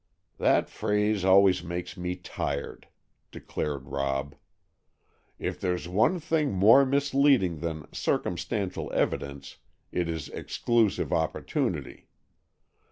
"That phrase always makes me tired," declared Rob. "If there's one thing more misleading than 'circumstantial evidence,' it is 'exclusive opportunity.